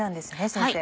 先生。